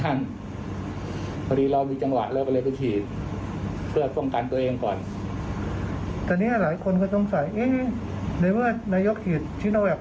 ในความรู้สึกของนายกมีความหินหรือไงครับ